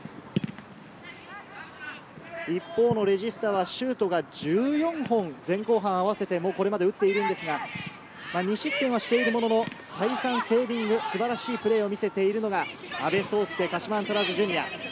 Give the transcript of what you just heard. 一方のレジスタはシュートが１４本、前後半合わせてこれまで打っているんですが、２失点はしてるものの、再三セービング、素晴らしいプレーを見せているのが阿部創介、鹿島アントラーズジュニア。